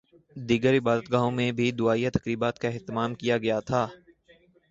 دیگر عبادت گاہوں میں بھی دعائیہ تقریبات کا اہتمام کیا گیا تھا